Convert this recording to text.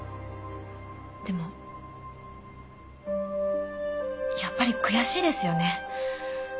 でもやっぱり悔しいですよね。